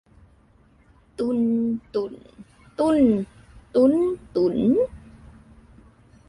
ตุน ตุ่น ตุ้น ตุ๊น ตุ๋น